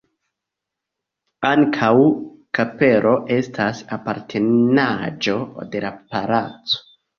Ankaŭ kapelo estas apartenaĵo de la palaco.